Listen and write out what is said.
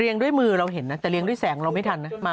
ด้วยมือเราเห็นนะแต่เรียงด้วยแสงเราไม่ทันนะ